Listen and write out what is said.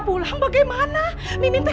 tapi dia akan kembali ke tempat yang dia inginkan